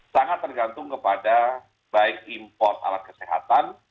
sangat tergantung kepada baik import alat kesehatan